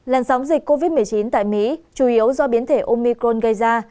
làn sóng dịch covid một mươi chín tại mỹ chủ yếu do biến thể omicron gây ra